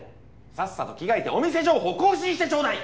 さっさと着替えてお店情報更新してちょうだい！